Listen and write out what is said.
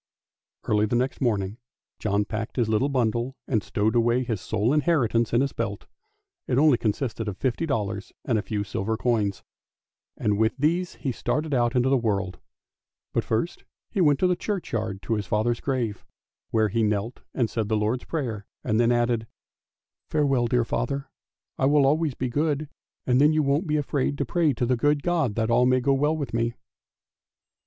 Early next morning John packed his little bundle and stowed away his sole inheritance in his belt; it only consisted of fifty dollars and a few silver coins, and with these he started out into the world. But first he went to the churchyard to his father's grave, where he knelt and said the Lord's prayer, and then added, " Farewell, dear father! I will always be good, and then you won't be afraid to pray to the good God that all may go well with me!